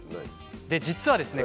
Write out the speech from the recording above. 実はですね